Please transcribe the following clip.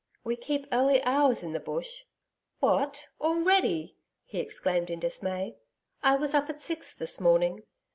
We keep early hours in the Bush.' 'What! Already!' he exclaimed in dismay. 'I was up at six this morning.